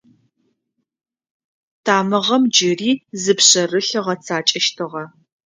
Тамыгъэм джыри зы пшъэрылъ ыгъэцакӏэщтыгъэ.